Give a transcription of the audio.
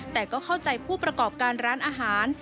แต่ก็เข้าใจผู้ประกอบการร้านอาหาร